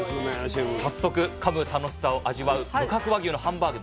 早速かむ楽しさを味わう無角和牛のハンバーグ